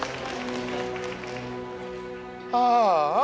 ああ。